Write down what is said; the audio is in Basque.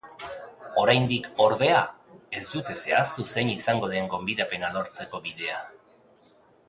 Oraindik, ordea, ez dute zehaztu zein izango den gonbidapena lortzeko bidea.